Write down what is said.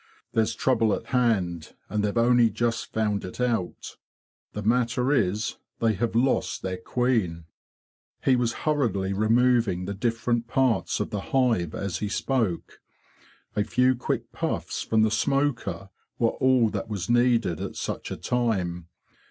There's trouble at hand, and they've only just found it out. The matter is, they have lost their queen." He was hurriedly removing the different parts of the hive as he spoke. A few quick puffs from the smoker were all that was needed at such a time.